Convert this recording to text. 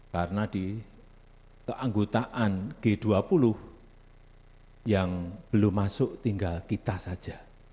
karena di keanggotaan g dua puluh yang belum masuk tinggal kita saja